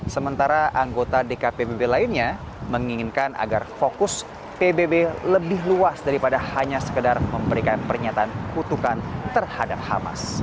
sementara anggota dkpbb lainnya menginginkan agar fokus pbb lebih luas daripada hanya sekedar memberikan pernyataan kutukan terhadap hamas